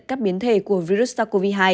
các biến thể của virus sars cov hai